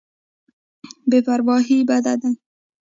بې پرواهي بد دی.